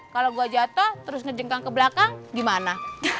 kalau gue jatuh terus ngejengkang ke belakang gimana